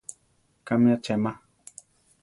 Kámi achema.